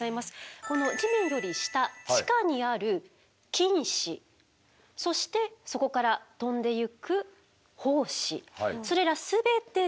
この地面より下地下にある菌糸そしてそこから飛んでゆく胞子それら全てでキノコなのでございます。